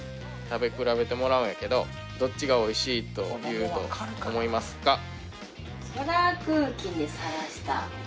食べ比べてもらうんやけどどっちがおいしいと言うと思いますか？